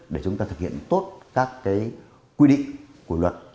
để chúng ta thực hiện tốt các quy định của luật